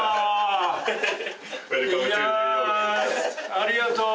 ありがとう！